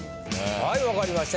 はいわかりました。